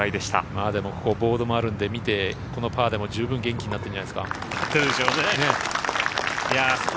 まあでもここ、ボードもあるんで、見てこのパーでも十分元気になってるんじゃないですか。